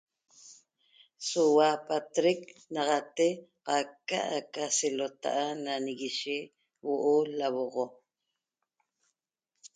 sohua paatrec naxate'e qaca aca selo'ota'a nañigueye huo lahuoxo.